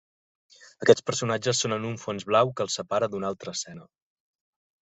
Aquests personatges són en un fons blau que els separa d'una altra escena.